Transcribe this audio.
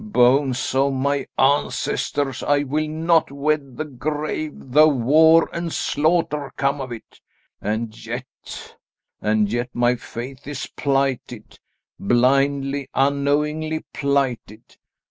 Bones of my ancestors, I will not wed the grave, though war and slaughter come of it. And yet and yet, my faith is plighted; blindly, unknowingly plighted.